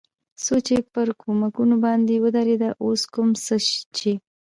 څو چې پر کومکونو باندې ودرېد، اوس کوم څه چې.